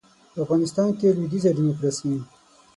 په افغانستان کې لویدیځه ډیموکراسي